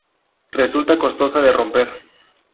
resulta costosa de romper